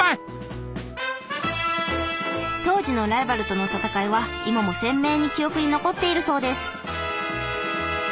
当時のライバルとの戦いは今も鮮明に記憶に残っているそうです。